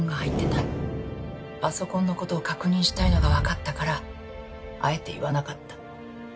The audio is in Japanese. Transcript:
パソコンの事を確認したいのがわかったからあえて言わなかった。